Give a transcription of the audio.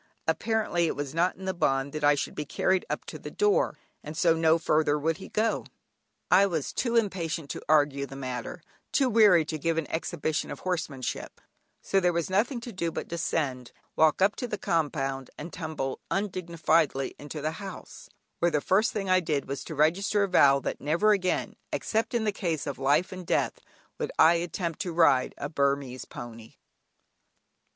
Apparently it was not in the bond that I should be carried up to the door, and so no further would he go. I was too impatient to argue the matter, too weary to give an exhibition of horsemanship, so there was nothing to do but descend, walk up the compound, and tumble undignifiedly into the house, where the first thing I did was to register a vow that never again, except in a case of life and death, would I attempt to ride a Burmese pony.